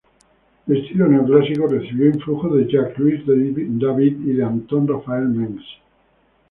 De estilo neoclásico, recibió influjo de Jacques-Louis David y de Anton Raphael Mengs.